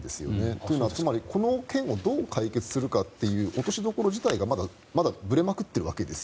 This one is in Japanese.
というのは、つまりこの件をどう解決するかという落としどころ自体がまだぶれまくっているわけです。